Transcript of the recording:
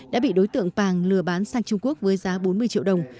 đã bị đối tượng pàng lừa bán sang trung quốc với giá bốn mươi triệu đồng